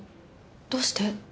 どうして？